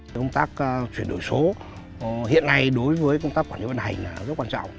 công tác chuyển đổi số hiện nay đối với công tác quản lý vận hành là rất quan trọng